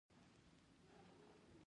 پر افغانستان د مرګ توپان راغلی دی.